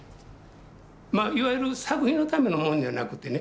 いわゆる作品のためのものじゃなくてね